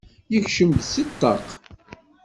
Yekcem-d seg ṭṭaq.